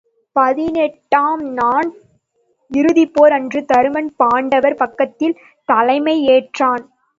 பதினெட்டாம் நாள் இறுதிப்போர் அன்று தருமன் பாண்டவர் பக்கத்தில் தலைமை ஏற்றான்.